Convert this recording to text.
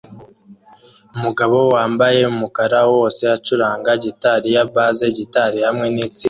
Umugabo wambaye umukara wose acuranga gitari ya bass gitari hamwe nitsinda